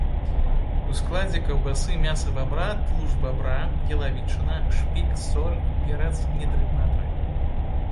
У складзе каўбасы мяса бабра, тлушч бабра, ялавічына, шпік, соль, перац, нітрыт натрыю.